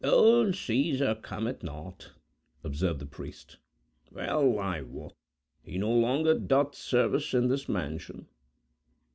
"Old Caesar cometh not," observed the priest. "Well, I wot, he no longer doth service in this mansion."